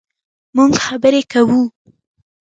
مونږ خبرې کوو